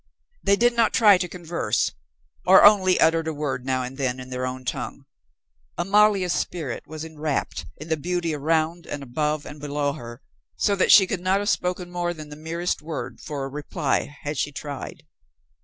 They did not try to converse, or only uttered a word now and then in their own tongue. Amalia's spirit was enrapt in the beauty around and above and below her, so that she could not have spoken more than the merest word for a reply had she tried.